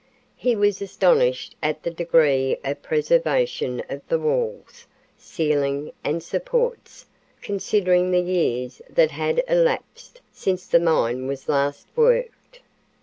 He was astonished at the degree of preservation of the walls, ceiling, and supports, considering the years that had elapsed since the mine was last worked.